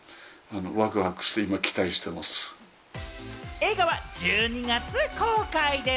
映画は１２月公開です。